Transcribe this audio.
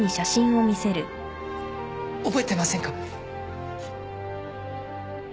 覚えてませんか？